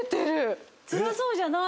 つらそうじゃない。